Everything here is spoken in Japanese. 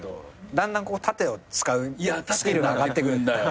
だんだん縦を使うスキルが上がってく。